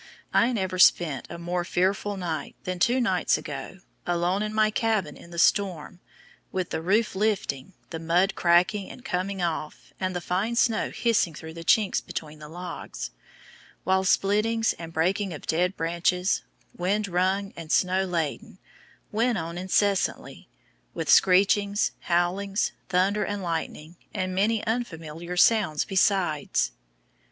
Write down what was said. I never spent a more fearful night than two nights ago, alone in my cabin in the storm, with the roof lifting, the mud cracking and coming off, and the fine snow hissing through the chinks between the logs, while splittings and breaking of dead branches, wind wrung and snow laden, went on incessantly, with screechings, howlings, thunder and lightning, and many unfamiliar sounds besides.